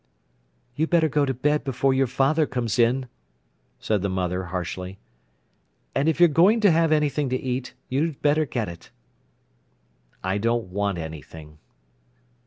"You'd better go to bed before your father comes in," said the mother harshly. "And if you're going to have anything to eat, you'd better get it." "I don't want anything."